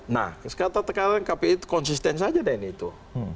nah kata kata kpu itu konsisten saja deh ini tuh